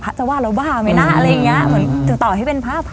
จะว่าเราบ้าไหมนะอะไรอย่างเงี้ยเหมือนถึงต่อให้เป็นพระพระ